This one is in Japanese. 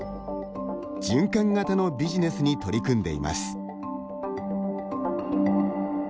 循環型のビジネスに取り組んでいます。